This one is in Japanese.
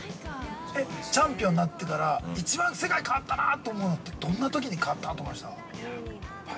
チャンピオンになってから一番世界変わったなと思うのって、どんなときに変わったと思いました？